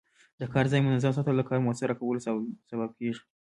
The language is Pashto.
د کار ځای منظم ساتل د کار موثره کولو سبب کېږي.